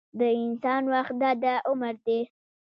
د انسان وخت دده عمر دی.